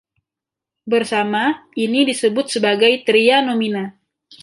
Bersama, ini disebut sebagai "tria nomina".